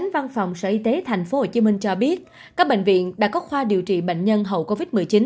văn phòng sở y tế tp hcm cho biết các bệnh viện đã có khoa điều trị bệnh nhân hậu covid một mươi chín